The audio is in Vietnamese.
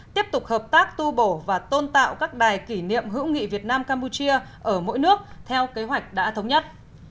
tiếp tục hợp tác tu bổ và tôn tạo các đài kỷ niệm hữu nghị việt nam campuchia ở mỗi nước theo kế hoạch đã thống nhất